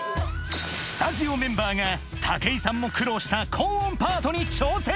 スタジオメンバーが武井さんも苦労した高音パートに挑戦